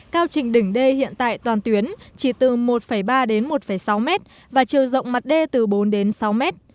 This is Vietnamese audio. cao trình đỉnh đê hiện tại toàn tuyến chỉ từ một ba đến một sáu mét và chiều rộng mặt đê từ bốn đến sáu mét